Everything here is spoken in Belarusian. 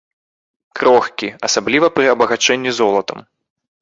Крохкі, асабліва пры абагачэнні золатам.